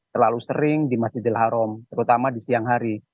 terlalu sering di masjidil haram terutama di siang hari